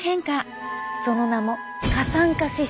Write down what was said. その名も過酸化脂質。